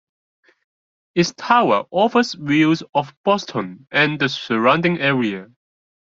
Its tower offers views of Boston and the surrounding area.